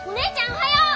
おはよう！